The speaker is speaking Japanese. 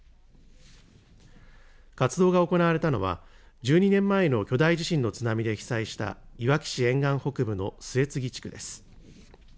活動が行われたのは１２年前の巨大地震の津波で被災したいわき市沿岸北部の末続地区です。